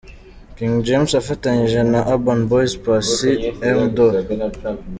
King James afatanyije na Urban Boyz, Paccy, M.